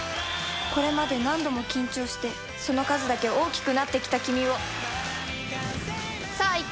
これまで何度も緊張してその数だけ大きくなってきたキミをさぁいけ！